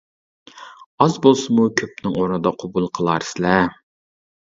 ئاز بولسىمۇ كۆپنىڭ ئورنىدا قوبۇل قىلارسىلەر.